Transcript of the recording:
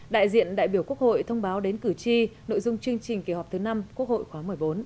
đại diện đại biểu quốc hội thông báo đến cử tri nội dung chương trình kỳ họp thứ năm quốc hội khóa một mươi bốn